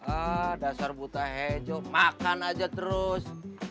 ah dasar buta hijau makan aja terus